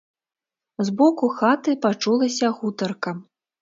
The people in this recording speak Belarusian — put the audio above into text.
З боку хаты пачулася гутарка.